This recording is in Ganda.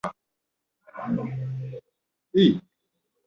Olaba yawonya Lazaalo eyali amaze okufa, ate ggwe atannafa?